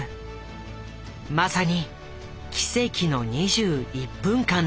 まさに奇跡の２１分間だった。